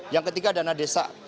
yang ketiga dana desa